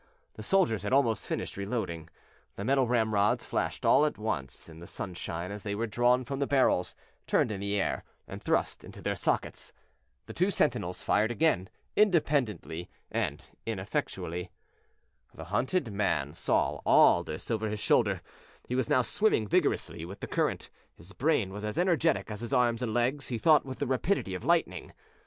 The soldiers had almost finished reloading; the metal ramrods flashed all at once in the sunshine as they were drawn from the barrels, turned in the air, and thrust into their sockets. The two sentinels fired again, independently and ineffectually. The hunted man saw all this over his shoulder; he was now swimming vigorously with the current. His brain was as energetic as his arms and legs; he thought with the rapidity of lightning.